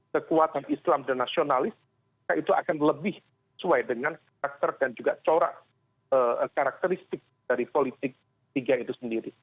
kekuatan islam dan nasionalis itu akan lebih sesuai dengan karakter dan juga corak karakteristik dari politik tiga itu sendiri